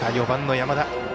４番の山田。